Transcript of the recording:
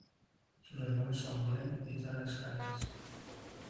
Sus hermanos son Glenn y Tara Scalise.